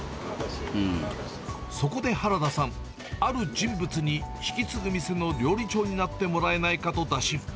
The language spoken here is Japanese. そこで原田さん、ある人物に引き継ぐ店の料理長になってもらえないかと打診。